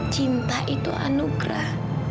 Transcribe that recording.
cinta itu anugerah